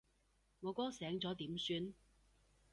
我哥醒咗點算？